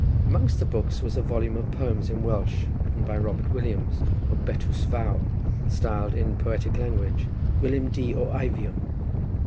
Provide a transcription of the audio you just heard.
Amongst the books was a volume of poems in Welsh, written by Robert Williams of Betws Fawr, styled in poetic language, Gwilym Du O Eifion.